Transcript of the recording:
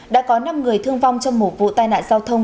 đã có năm người thương vong trong một vụ tai nạn giao thông